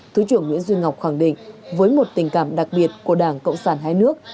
thứ trưởng nguyễn duy ngọc khẳng định với một tình cảm đặc biệt của đảng cộng sản hai nước